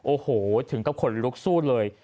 โอ้โหถึงกับขนลุกสู้เลย